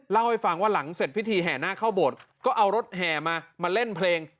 เล่าให้ฟังว่าหลังเสร็จพิธีแห่หน้าเข้าโบสถ์ก็เอารถแห่มามาเล่นเพลง